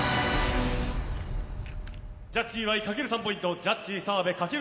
ジャッジ岩井かける３ポイントジャッジ澤部、かける